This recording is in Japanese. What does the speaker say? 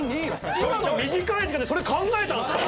今の短い時間で考えたんすから。